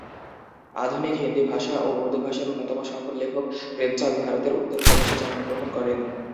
আধুনিক হিন্দি ভাষা ও উর্দু ভাষার অন্যতম সফল লেখক প্রেমচাঁদ ভারতের উত্তর প্রদেশে জন্মগ্রহণ করেন।